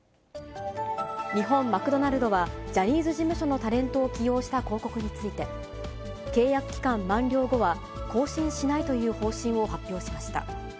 日本マクドナルドはジャニーズ事務所のタレントを起用した広告について、契約期間満了後は更新しないという方針を発表しました。